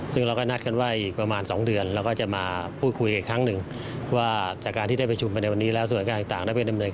ซึ่งเราก็นัดกันว่าอีกประมาณ๒เดือนเราก็จะมาพูดคุยอีกครั้งหนึ่งว่าจากการที่ได้ประชุมไปในวันนี้แล้วส่วนการต่างได้ไปดำเนิน